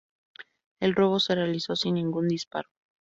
El robo se realizó sin ningún disparo.